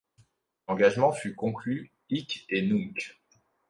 L’engagement fut conclu hic et nunc.